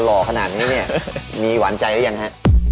หล่อขนาดนี้เนี่ยมีหวานใจหรือยังฮะ